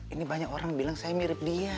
ini banyak orang bilang saya mirip dia